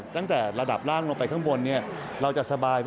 ตั้งแต่ระดับล่างลงไปข้างบนเราจะสบาย